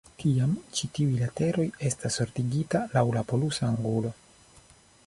Tiam ĉi tiuj lateroj estas ordigita laŭ la polusa angulo.